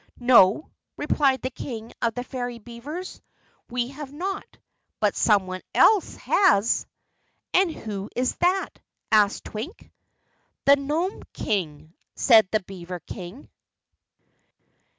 "No," replied the King of the Fairy Beavers, "we have not, but someone else has." "And who is that?" asked Twink. "The Nome King," said the beaver King.